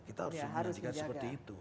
kita harus menyajikan seperti itu